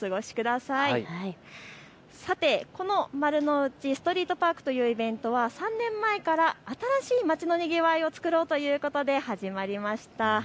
さて、この丸の内ストリートパークというイベントは３年前から新しい街のにぎわいを作ろうというもので始まりました。